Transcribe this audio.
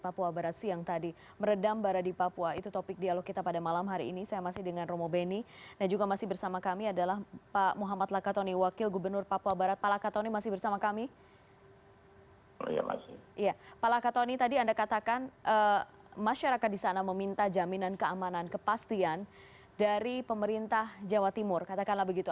pak lakatoni tadi anda katakan masyarakat disana meminta jaminan keamanan kepastian dari pemerintah jawa timur katakanlah begitu